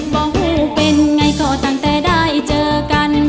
บอกหูเป็นไงก็ตั้งแต่ได้เจอกัน